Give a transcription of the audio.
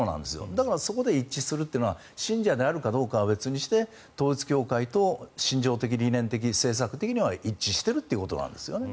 だからそこで一致するというのは信者であるかどうかは別にして統一教会と信条的、理念的、政策的には一致しているっていうことなんですよね。